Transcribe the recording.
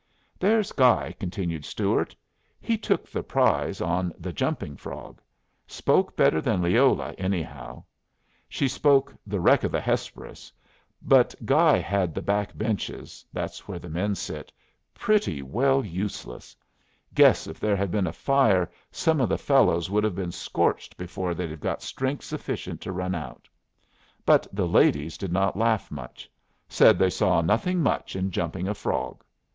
"There's Guy," continued Stuart. "He took the prize on 'The Jumping Frog.' Spoke better than Leola, anyhow. She spoke 'The Wreck of the Hesperus.' But Guy had the back benches that's where the men sit pretty well useless. Guess if there had been a fire, some of the fellows would have been scorched before they'd have got strength sufficient to run out. But the ladies did not laugh much. Said they saw nothing much in jumping a frog.